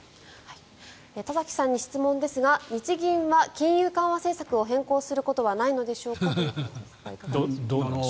田崎さんに質問ですが日銀が金融緩和政策を変更することはないのでしょか？ということです。